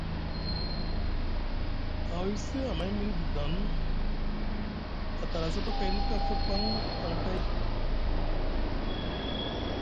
A hoysi amay miŋ guidaŋ a tala sapakayni kafa paŋ aŋ kay.